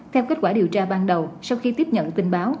theo kết quả điều tra ban đầu sau khi tiếp nhận tin báo